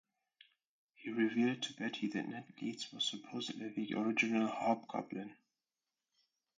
He revealed to Betty that Ned Leeds was supposedly the original Hobgoblin.